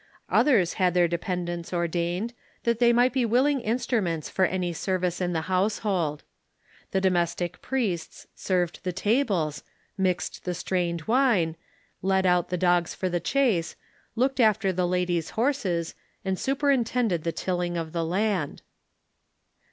Oth ers had their dependants ordained that they might be willing instruments for any service in the household. The domestic priests served the tables, mixed the strained wine, led out the dogs for the chase, looked after the ladies' horses, and super intended the tilling of the land.